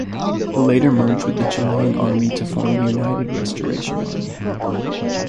It later merged with the Chilean Army to form the United Restoration Army.